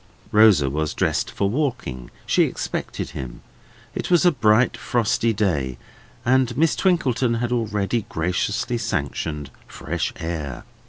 Rosa was dressed for walking. She expected him. It was a bright, frosty day, and Miss Twinkleton had already graciously sanctioned fresh air.